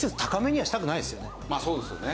まあそうですよね。